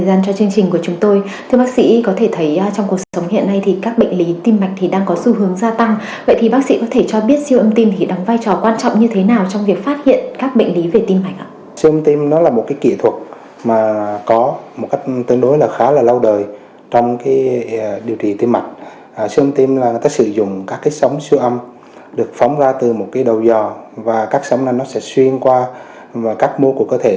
điều trị tim mạch siêu âm tim là người ta sử dụng các cái sóng siêu âm được phóng ra từ một cái đầu dò và các sóng này nó sẽ xuyên qua các mô của cơ thể